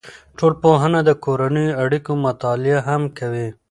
ټولنپوهنه د کورنیو اړیکو مطالعه هم کوي.